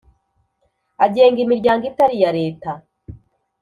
agenga imiryango itari iya Leta